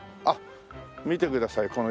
あっ見てください